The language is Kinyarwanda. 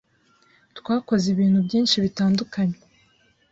twakoze ibintu byinshi bitandukanye